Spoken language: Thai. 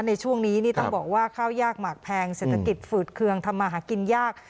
ในช่วงนี้นี่ต้องบอกว่าข้าวยากหมากแพงเศรษฐกิจฝืดเคืองทำมาหากินยาก